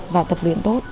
và tập luyện tốt